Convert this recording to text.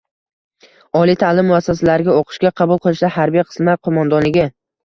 Oliy ta’lim muassasalariga o‘qishga qabul qilishda harbiy qismlar qo‘mondonligi